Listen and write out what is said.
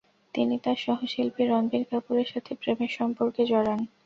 তিনি তার সহশিল্পী রণবীর কাপুরের সাথে প্রেমের সম্পর্কে জড়ান।